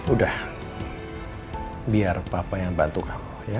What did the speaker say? udah biar papa yang bantu kamu